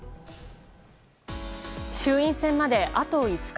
衆院選まで、あと５日。